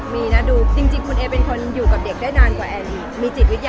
มันติดที่ตัวพี่แอนหรือติดที่ตัวพี่เองค่ะ